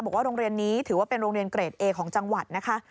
โรงเรียนนี้ถือว่าเป็นโรงเรียนเกรดเอของจังหวัดนะคะ